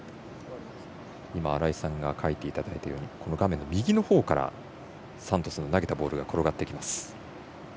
新井さんに書いていただいたように画面右のほうからサントスの投げたボールが転がってきます。